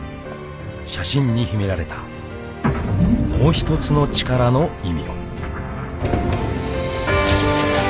［写真に秘められたもう１つの力の意味を］